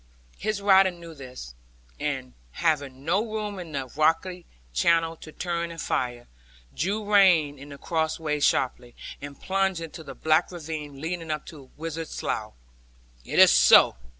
His rider knew this; and, having no room in the rocky channel to turn and fire, drew rein at the crossways sharply, and plunged into the black ravine leading to the Wizard's Slough. 'Is it so?'